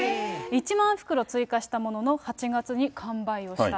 １万袋追加したものの、８月に完売をした。